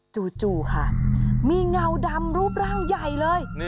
จู่ค่ะมีเงาดำรูปร่างใหญ่เลย